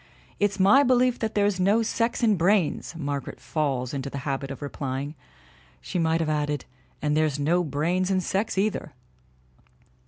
"It's my belief that there's no sex in brains," Margaret falls into the habit of replying. She might have added : "And there's no brains in sex, either!"